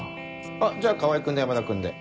あっじゃあ川合君と山田君で。